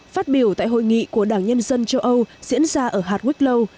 phát biểu tại hội nghị của đảng nhân dân châu âu diễn ra ở hartwick low